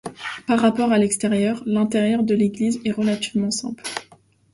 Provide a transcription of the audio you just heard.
Par rapport à l'extérieur, l'intérieur de l'église est relativement simple.